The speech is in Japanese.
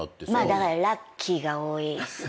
だからラッキーが多いっすね。